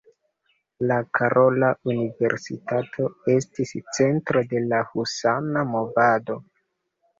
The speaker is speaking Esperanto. La Karola Universitato estis centro de la husana movado.